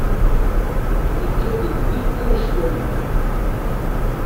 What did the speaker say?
Yeǧǧa-d deg-i ala ccwami.